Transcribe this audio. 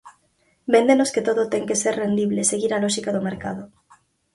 Véndenos que todo ten que ser rendible, seguir a lóxica do mercado.